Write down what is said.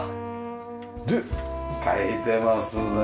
で描いてますね。